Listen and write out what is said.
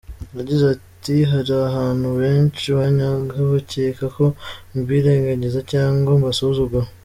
Yagize ati “Hari abantu benshi banyanga bacyeka ko mbirengagiza cyangwa mbasuzugura.